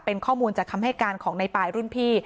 เป็นข้อมูลจากคำให้การของในปายรุ่นพี่